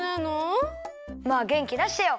まあげんきだしてよ。